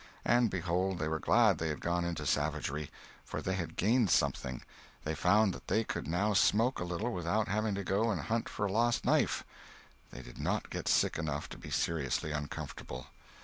And behold, they were glad they had gone into savagery, for they had gained something; they found that they could now smoke a little without having to go and hunt for a lost knife; they did not get sick enough to be seriously uncomfortable.